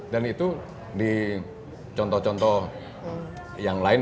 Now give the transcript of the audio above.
dan itu di contoh contoh yang lain